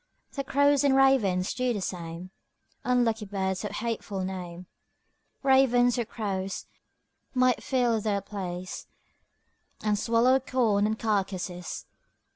The crows and ravens do the same, Unlucky birds of hateful name; Ravens or crows might fill their place, And swallow corn and carcases.